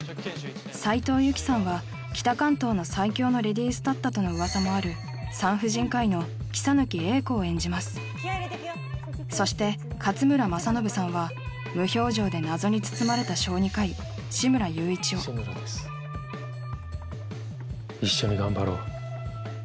斉藤由貴さんは北関東の最強のレディースだったとの噂もある産婦人科医の木佐貫英子を演じますそして勝村政信さんは無表情で謎に包まれた一緒に頑張ろう。